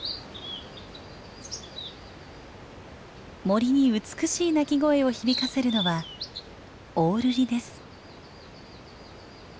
森に美しい鳴き声を響かせるのはオオルリです。